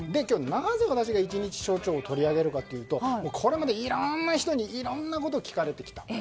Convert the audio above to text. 今日、なぜ私が一日署長を取り上げるかというとこれまでいろいろな人にいろいろなことを聞かれてきた。